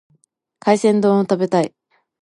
海鮮丼を食べたい。